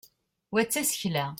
wa d tasekla